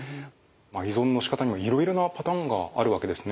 依存のしかたにもいろいろなパターンがあるわけですね。